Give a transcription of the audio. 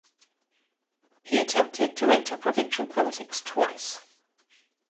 He attempted to enter provincial politics twice.